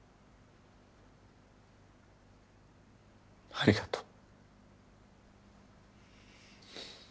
ありがとう。